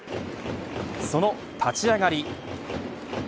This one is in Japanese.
その立ち上がり。